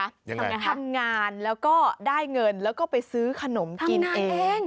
ทำอย่างไรคะทำงานแล้วก็ได้เงินแล้วก็ไปซื้อขนมกินเองทำงานเอง